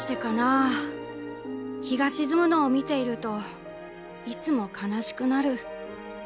あ日が沈むのを見ているといつも悲しくなる」。